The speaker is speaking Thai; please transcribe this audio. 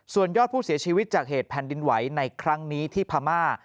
ส่วนยอดผู้เสียชีวิตจากเหตุแผ่นดินไหวในครั้งนี้ที่พม่า